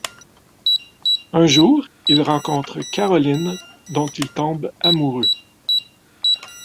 Un jour, il rencontre Caroline dont il tombe amoureux.